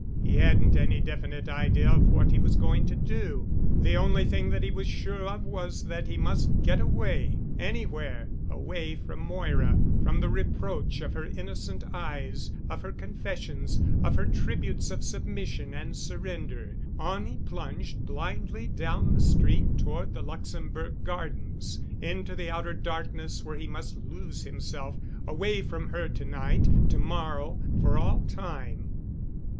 He hadn't any definite idea of what he was going to do. The only thing that he was sure of was that he must get away—anywhere—away from Moira ... from the reproach of her innocent eyes, of her confessions, of her tributes of submission and surrender. On he plunged blindly down the street toward the Luxembourg Gardens, into the outer darkness where he must lose himself away from her—to night, to morrow,—for all time.